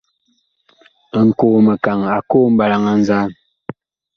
Nkoo-mikaŋ a koo mɓalaŋ a nzaan.